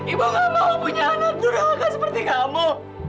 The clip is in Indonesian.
ibu gak mau punya anak muda seperti kamu